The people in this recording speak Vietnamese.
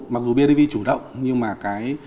mặc dù bnv chủ động nhưng mà cái